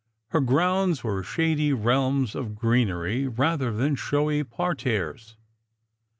Her grounds were shady realms of greenery, rather than showy parterres.